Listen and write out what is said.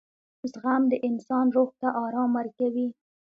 • زغم د انسان روح ته آرام ورکوي.